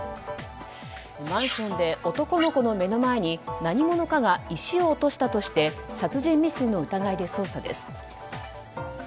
マンションで男の子の目の前に何者かが石を落としたとして殺人未遂の疑いで捜査です。